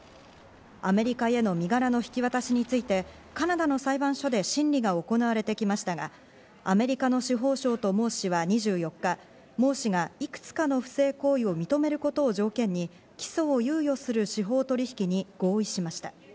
アメリカへの身柄の引き渡しについてカナダの裁判所で審理が行われてきましたが、アメリカの司法省とモウ氏は２４日、モウ氏がいくつかの不正行為を認めることを条件に起訴を猶予する司法取引に合意しました。